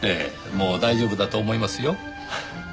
もう大丈夫だと思いますよ。